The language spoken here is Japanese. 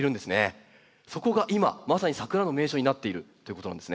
そこが今まさにサクラの名所になっているということなんですね。